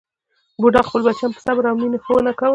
بوډا خپل بچیان په صبر او مینې ښوونه کول.